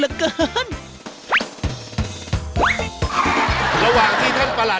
ตอนที่ท่านประหลัด